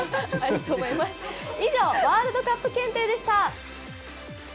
以上ワールドカップ検定でした！